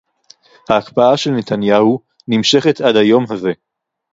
ההקפאה של נתניהו נמשכת עד היום הזה